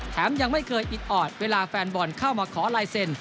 ยังไม่เคยอิดออดเวลาแฟนบอลเข้ามาขอลายเซ็น